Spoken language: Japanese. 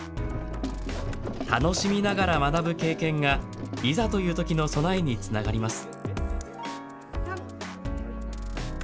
楽しみながら学ぶ経験がいざというときの備えにつながります。